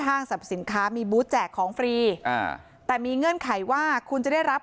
สรรพสินค้ามีบูธแจกของฟรีอ่าแต่มีเงื่อนไขว่าคุณจะได้รับ